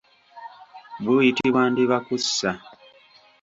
Buyitibwa ndibakkusa.